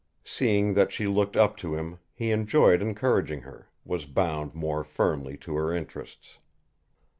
Seeing that she looked up to him, he enjoyed encouraging her, was bound more firmly to her interests.